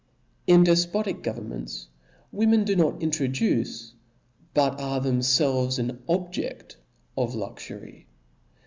In defpotic governments women do not intro duce, but are themfelves an objedt of, luxury.